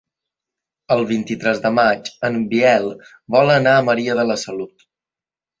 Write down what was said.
El vint-i-tres de maig en Biel vol anar a Maria de la Salut.